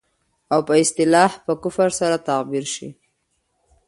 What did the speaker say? او په اصطلاح په کفر سره تعبير شي.